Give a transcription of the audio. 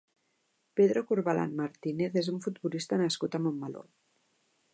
Pedro Corbalán Martínez és un futbolista nascut a Montmeló.